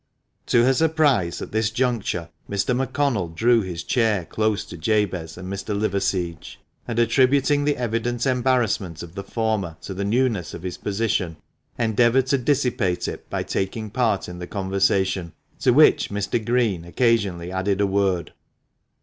To her surprise, at this juncture Mr. McConnell drew his chair close to Jabez and Mr. Liverseege, and, attributing the evident embarassment of the former to the newness of his position, endeavoured to dissipate it by taking part in the conversation, to which quiet Mr. Green occasionally added a word.